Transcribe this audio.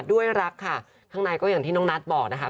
ด้วยรักค่ะข้างในก็อย่างที่น้องนัทบอกนะคะ